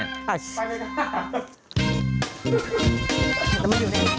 ไปไหม